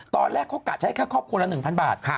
ตอนแรกเขากะใช้แค่ครอบครัวละ๑๐๐บาท